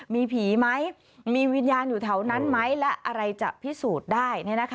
มีผีไหมมีวิญญาณอยู่แถวนั้นไหมและอะไรจะพิสูจน์ได้